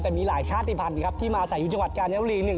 แต่มีหลายชาติภัณฑ์ครับที่มาอาศัยุดเจาะกาแนวรีหนึ่ง